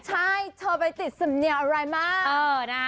ใช่เธอไปติดสำเนียงอะไรมาก